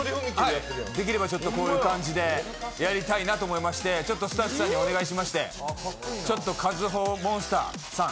できればこういう感じでやりたいなと思いましてスタッフさんにお願いしましてＫａｚｕｈｏＭｏｎｓｔｅｒさん